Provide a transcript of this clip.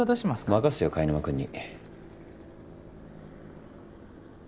任すよ貝沼君に。